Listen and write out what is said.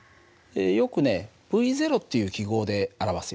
よくねυっていう記号で表すよ。